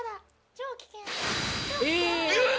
超危険！